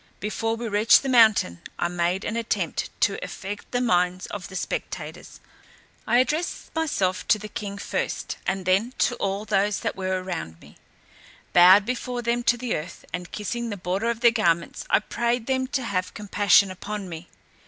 Before we reached the mountain, I made an attempt to affect the minds of the spectators: I addressed myself to the king first, and then to all those that were round me; bowing before them to the earth, and kissing the border of their garments, I prayed them to have compassion upon me.